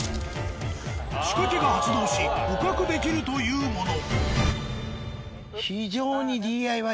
仕掛けが発動し捕獲できるというもの。